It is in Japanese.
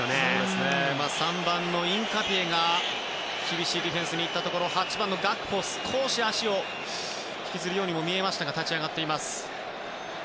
３番のインカピエが厳しいディフェンスに行ったところオランダ８番のガクポ、少し足を引きずるように見えましたが立ち上がっています。